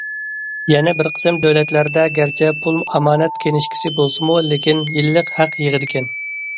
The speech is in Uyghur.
يەنە بىر قىسىم دۆلەتلەردە گەرچە پۇل ئامانەت كىنىشكىسى بولسىمۇ، لېكىن يىللىق ھەق يىغىدىكەن.